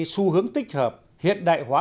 xu hướng tích hợp hiện đại hóa